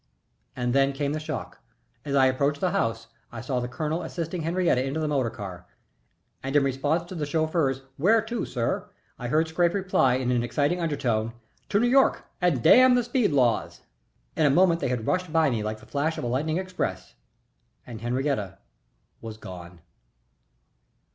And then came the shock. As I approached the house I saw the colonel assisting Henriette into the motor car, and in response to the chauffeur's "Where to, sir," I heard Scrappe reply in an excited undertone: "To New York and damn the speed laws." In a moment they had rushed by me like the flash of a lightning express, and Henriette was gone!